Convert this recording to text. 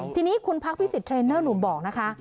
ทีนี้คุณพักพิศิษฐ์เทรนเนอร์หนูบอกนะคะ